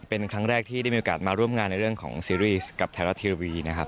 เป็นครั้งแรกที่ได้มีโอกาสมาร่วมงานในเรื่องของซีรีส์กับไทยรัฐทีวีนะครับ